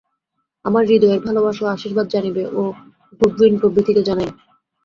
আমার হৃদয়ের ভালবাসা ও আশীর্বাদ জানিবে ও গুডউইন প্রভৃতিকে জানাইবে।